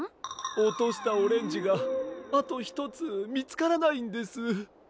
おとしたオレンジがあとひとつみつからないんです。